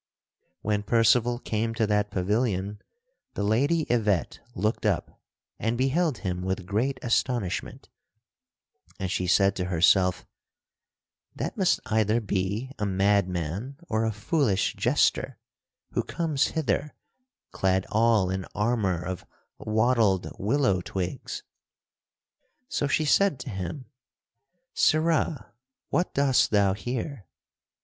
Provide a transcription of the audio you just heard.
When Percival came to that pavilion the Lady Yvette looked up and beheld him with great astonishment, and she said to herself: "That must either be a madman or a foolish jester who comes hither clad all in armor of wattled willow twigs." So she said to him, "Sirrah, what dost thou here?"